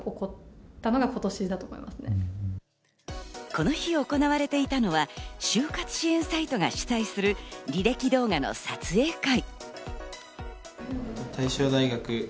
この日、行われていたのは就活支援サイトが主催する履歴動画の撮影会。